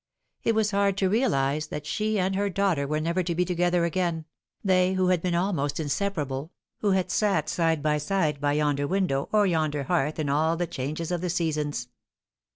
It was hard to realise that she and her daughter were never to be together again, they who had been almost inseparable who had sat side by side by yonder window or yonder hearth in all the changes of the seasons.